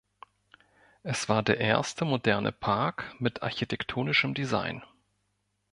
Es war der erste moderne Park mit architektonischem Design.